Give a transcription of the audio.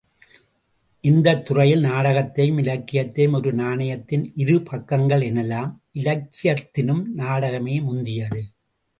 இந்தத் துறையில், நாடகத்தையும், இலக்கியத்தையும் ஒரு நாணயத்தின் இருபக்கங்கள் எனலாம். இலக்கியத்தினும் நாடகமே முந்தியது.